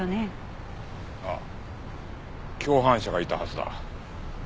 ああ共犯者がいたはずだ。